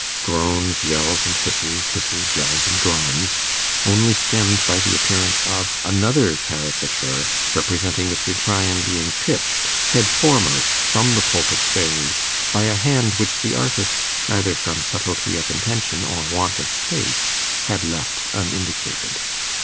Groans, yells, and hisses hisses, yells, and groans only stemmed by the appearance of another caricature representing Mr. Tryan being pitched head foremost from the pulpit stairs by a hand which the artist, either from subtilty of intention or want of space, had left unindicated.